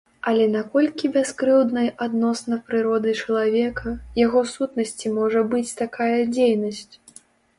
Але наколькі бяскрыўднай адносна прыроды чалавека, яго сутнасці можа быць такая дзейнасць?